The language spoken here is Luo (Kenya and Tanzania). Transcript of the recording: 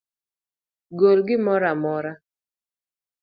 Gol gimoro amora